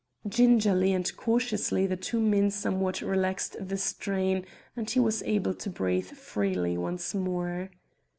Gingerly and cautiously the two men somewhat relaxed the strain, and he was able to breathe freely once more.